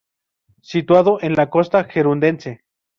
Situado en la costa gerundense.